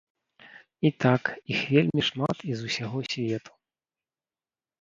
І так, іх вельмі шмат і з усяго свету.